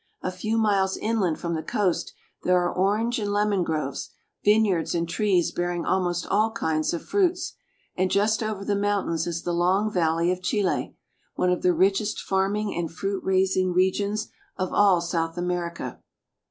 A few miles inland from the coast there are orange and lemon groves, vineyards and trees bearing almost all kinds of fruits; and just over the mountains is the long valley of Chile, one of the richest farming and fruit raising re gions of all South America.